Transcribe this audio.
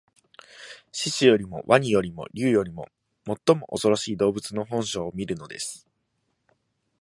獅子よりも鰐よりも竜よりも、もっとおそろしい動物の本性を見るのです